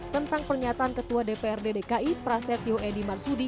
tentang pernyataan ketua dpr dki prasetyo edy marsudi